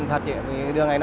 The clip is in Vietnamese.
thật chỉ là vì đường này nó khó